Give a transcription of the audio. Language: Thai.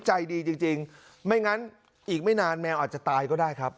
ใจดีจริงไม่งั้นอีกไม่นานแมวอาจจะตายก็ได้ครับ